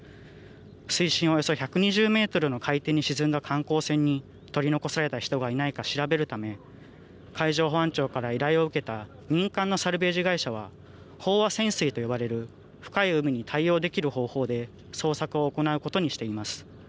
水深およそ１２０メートルの海底に沈んだ観光船に取り残された人がいないか調べるため海上保安庁から依頼を受けた民間のサルベージ会社は飽和潜水と呼ばれる深い海に対応できる方法で捜索を行うことにしています。